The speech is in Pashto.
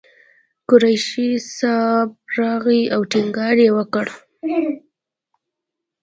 قریشي صاحب راغی او ټینګار یې وکړ.